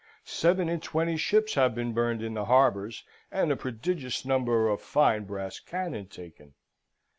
Seven and twenty ships have been burned in the harbours, and a prodigious number of fine brass cannon taken.